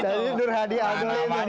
jadi nur hadi azoy ini